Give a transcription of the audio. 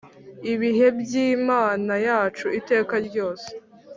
ibibe iby Imana yacu iteka ryose